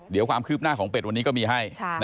เดี๋ยวความคืบหน้าของเป็ดวันนี้ก็มีให้